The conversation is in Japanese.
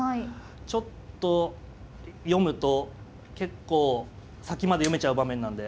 ちょっと読むと結構先まで読めちゃう場面なんで。